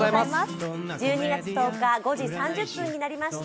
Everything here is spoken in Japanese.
１２月１０日５時３０分になりました。